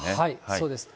そうです。